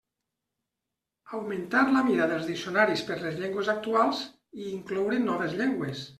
Augmentar la mida dels diccionaris per les llengües actuals, i incloure noves llengües.